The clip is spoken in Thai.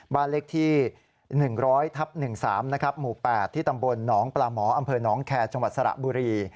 บ้านเลขที่๑๐๐ทับ๑๓หมู่๘ที่ตำบลหนองปลาหมออำเภอหนองแคร์จังหวัดสระบุรี